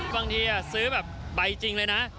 บางทีซื้อแบบใบจริงเลยนะ